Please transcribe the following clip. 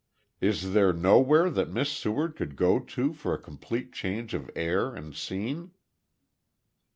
"Is there nowhere that Miss Seward could go to for a complete change of air and scene?"